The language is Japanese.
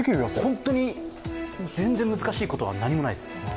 本当に全然難しいことは何もないです。